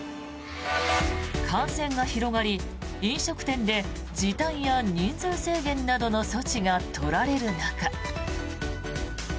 感染が広がり飲食店で時短や人数制限などの措置が取られる中。